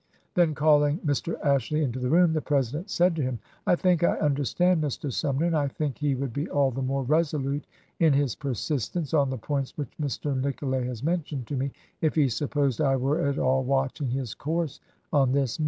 Then calling Mr. Ashley into the room, the President said to him, " I think I understand Mr. Sumner ; and I think he would be all the more resolute in his persistence on the points which Mr. Nicolay has mentioned to me if he supposed I were at all watching his course on this matter."